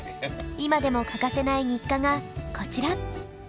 今でも欠かせない日課がこちら。